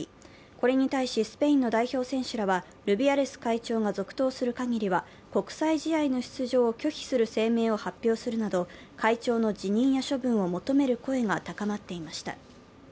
これに対しスペインの代表選手らはルビアレス会長が続投するかぎりは国際試合の出場を拒否する声明を発表するなど会長の辞任や処分を求める声が高まっていました。